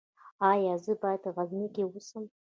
ایا زه باید په غزني کې اوسم؟